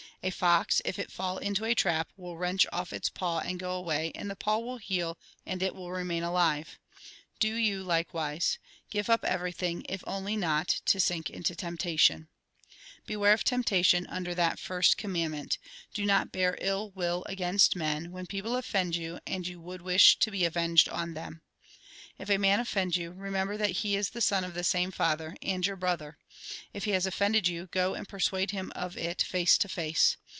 A fox, if it fall into a trap, will wrench off its paw and go away, and the paw will heal and it will remain alive. Do you likewise. Give up every thing, if only not to sink into temptation. " Beware of temptation under that first com mandment ; do not bear ill wiU against men, when Mt. xviii. 5, Lk. ix. 48, Mt. xviii. 10. Lk. xvii. 3. TEMPTATIONS "5 Mt xviii. 15. Lk. xvii. 4. Mt. xviii. 17. 26. 27. 28. 29. 30. people offend you, and you would wish to be avenged on them. " If a man offend you, remember that he is the son of the same Father, and your brother. If he has offended you, go and persuade him of it face to face.